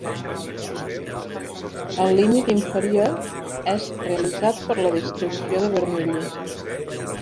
El límit inferior és realitzat per la distribució de Bernoulli.